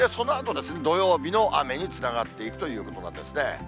土曜日の雨につながっていくということなんですね。